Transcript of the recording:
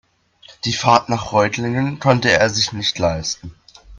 Die Fahrt nach Reutlingen konnte er sich nicht leisten